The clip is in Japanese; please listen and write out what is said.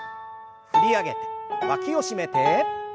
振り上げてわきを締めて。